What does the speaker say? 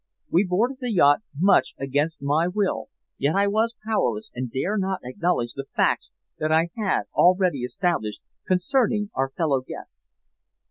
We boarded the yacht much against my will, yet I was powerless, and dare not allege the facts that I had already established concerning our fellow guests.